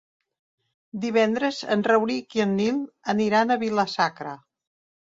Divendres en Rauric i en Nil aniran a Vila-sacra.